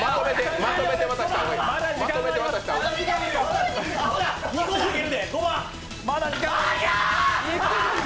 まとめて渡した方がええ。